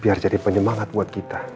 biar jadi penyemangat buat kita